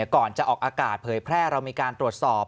ก่อนจะออกอากาศเผยแพร่เรามีการตรวจสอบ